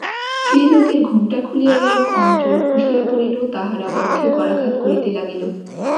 স্ত্রীলোকদের ঘোমটা খুলিয়া গেল, অঞ্চল খসিয়া পড়িল, তাহারা বক্ষে করাঘাত করিতে লাগিল।